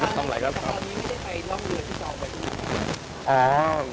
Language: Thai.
คือเราคุยกันเหมือนเดิมตลอดเวลาอยู่แล้วไม่ได้มีอะไรสูงแรง